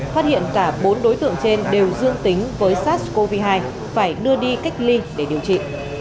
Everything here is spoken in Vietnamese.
phát hiện cả bốn đối tượng trên đều dương tính với sars cov hai phải đưa đi cách ly để điều trị